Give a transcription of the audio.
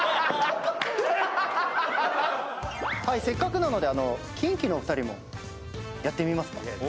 せっかくなのでキンキのお二人もやってみますか？